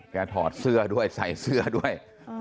ถอดเสื้อด้วยใส่เสื้อด้วย